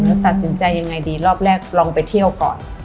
แล้วตัดสินใจยังไงดีรอบแรกลองไปเที่ยวก่อน